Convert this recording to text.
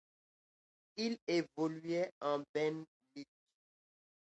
Il évoluait en BeNe Ligue.